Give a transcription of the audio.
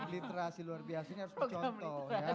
literasi luar biasa ini harus dicontoh ya